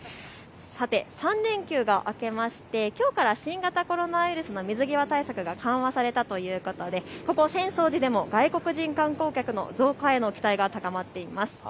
３連休が明けましてきょうから新型コロナウイルスの水際対策が緩和されたということでここ浅草寺でも外国人観光客の増加への期待が高まっています。